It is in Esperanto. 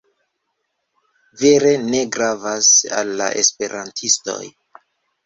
Vere ne gravas al la Esperantistoj.